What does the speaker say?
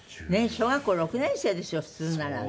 小学校６年生ですよ普通ならね。